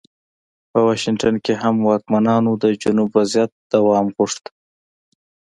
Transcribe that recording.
په واشنګټن کې هم واکمنانو د جنوب وضعیت دوام غوښت.